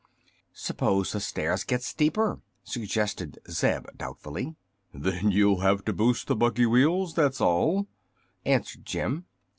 "Suppose the stairs get steeper?" suggested Zeb, doubtfully. "Then you'll have to boost the buggy wheels, that's all," answered Jim.